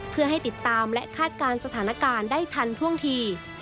เพื่อให้ติดตามและคาดการณ์สถานการณ์ได้ทันท่วงที